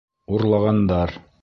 Урлағандар!